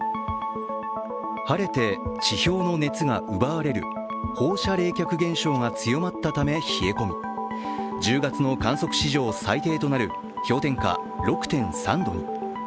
晴れて地表の熱が奪われる放射冷却現象が強まったため冷え込み１０月の観測史上最低となる氷点下６．３度に。